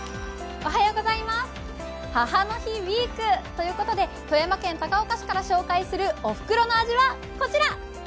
母の日ウイークということで、富山県高岡市から紹介するおふくろの味はこちら。